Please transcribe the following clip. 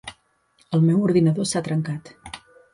El meu ordinador s'ha trencat.